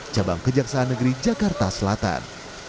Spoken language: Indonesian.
cabang kejaksaan negeri jakarta selatan